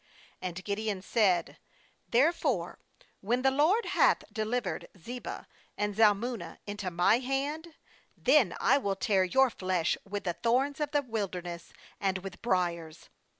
7And Gideon said: 'Therefore when the LORD hath de livered Zebah and Zalmunna into my hand, then I will tear your flesh with the thorns of the wilderness and with briers.'